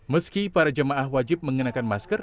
meski para jemaah wajib mengenakan masker